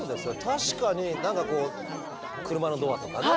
確かに何かこう車のドアとかね